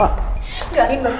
enggak kalau kecelakaan